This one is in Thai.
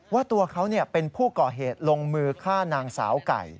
ว่าตัวเขาเป็นผู้ก่อเหตุลงมือฆ่านางสาวไก่